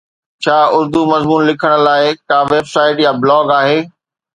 ڇا اردو مضمون لکڻ لاءِ ڪا ويب سائيٽ يا بلاگ آهي؟